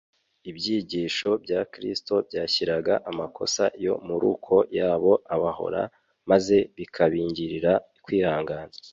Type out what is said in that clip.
Ibyigisho bya Kristo byashyiraga amakosa yo mu ruko yabo ahabona maze bikabingingira kwihana.